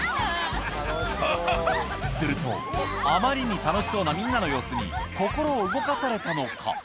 すると、あまりに楽しそうなみんなの様子に心を動かされたのか。